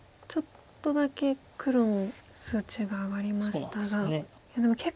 ちょっとだけ黒の数値が上がりましたが。